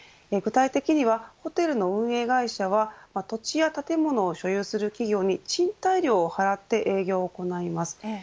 具体的には、ホテルの運営会社は土地や建物を所有する企業に賃貸料を払って営業を行います。